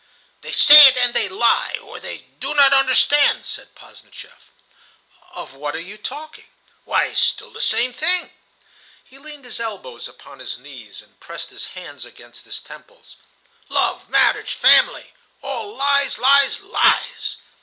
"They say it, and they lie, or they do not understand," said Posdnicheff. "Of what are you talking?" "Why, still the same thing." He leaned his elbows upon his knees, and pressed his hands against his temples. "Love, marriage, family,—all lies, lies, lies."